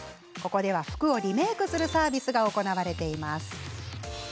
服をリメークするサービスが行われています。